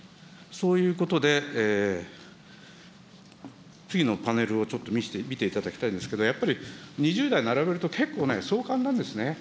そういうことで、次のパネルをちょっと見ていただきたいんですけど、やっぱり２０台並べると、結構ね、壮観なんですね。